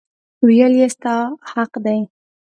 ویل یې دا ستا حق دی.